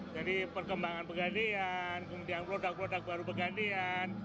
jadi perkembangan pegadayan kemudian produk produk baru pegadayan